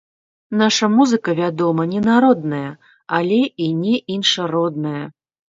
Наша музыка, вядома, не народная, але і не іншародная.